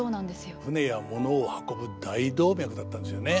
船や物を運ぶ大動脈だったんですよね。